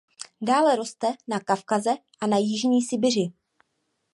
Dále roste na Kavkaze a na jižní Sibiři.